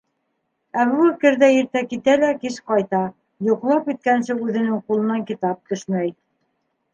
Әбүбәкер ҙә иртә китә лә кис ҡайта, йоҡлап киткәнсе үҙенең ҡулынан китап төшмәй.